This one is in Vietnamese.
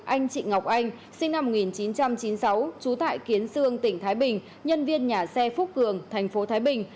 anh chị ngọc anh sinh năm một nghìn chín trăm chín mươi sáu trú tại kiến sương tỉnh thái bình nhân viên nhà xe phúc cường thành phố thái bình